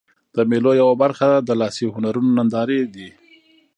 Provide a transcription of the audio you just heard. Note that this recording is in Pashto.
د مېلو یوه برخه د لاسي هنرونو نندارې دي.